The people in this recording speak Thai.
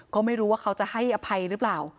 ก็ไม่รู้ว่าเขาจะให้อภัยหรือเปล่า